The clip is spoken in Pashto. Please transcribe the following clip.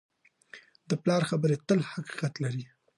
د پلار خبرې تل حقیقت لري.